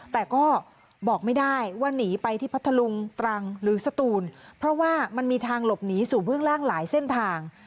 แต่ก็บอกไม่ได้ว่าหนีไปที่พัทธลุงตรังหรือสตูนเพราะว่ามันมีทางหลบหนีสู่เบื้องล่างหลายเส้นทาง